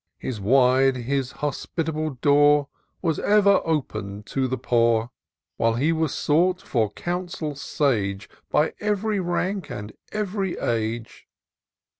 His wide, his hospitable door Was ever open to the poor ; While he was sought, for counsel sage. By ey'ry rank and ev'ry age.